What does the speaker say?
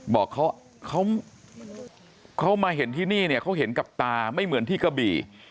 บอกเขามาเห็นที่นี่เนี่ยเขาเห็นกับตาไม่เหมือนที่กะบี่